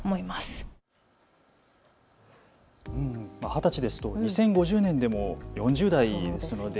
二十歳ですと２０５０年でも４０代ですよね。